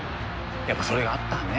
やっぱそれがあったね